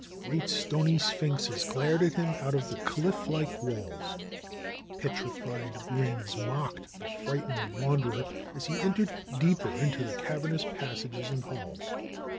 Great stony sphinxes glared at him out of the cliff like walls. Petrified grins mocked the frightened wanderer as he entered deeper into the cavernous passages and halls.